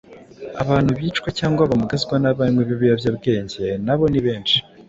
Abantu bicwa cyangwa bamugazwa n’abanywi b’ibiyobyabwenge na bo nibenshi,